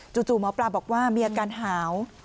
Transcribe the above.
หมอปลาบอกว่ามีอาการหาว